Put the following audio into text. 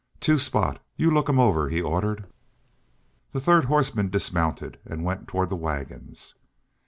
"Two Spot, you look 'em over," he ordered. The third horseman dismounted and went toward the wagons.